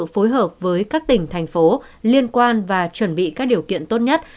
phối hợp với các tỉnh thành phố liên quan và chuẩn bị các điều kiện tốt nhất